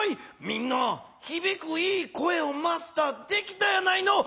みんなひびくいい声をマスターできたやないの。